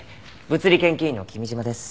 物理研究員の君嶋です。